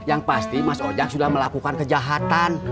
yang pasti mas ojang sudah melakukan kejahatan